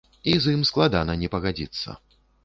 І з ім складана не пагадзіцца.